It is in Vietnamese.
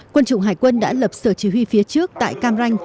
quân chủng hải quân đã lập sở chỉ huy phía trước tại cam ranh